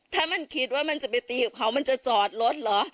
ถ้ามันคิดว่ามันจะไปตีกับเขามันจะจอดรถเหรอ